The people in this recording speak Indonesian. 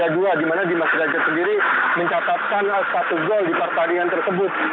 di mana dimas derajat sendiri mencatatkan satu gol di pertandingan tersebut